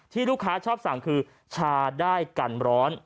ลูกค้าชอบสั่งคือชาได้กันร้อน